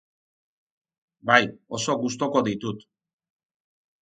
Bai, oso gustuko ditut.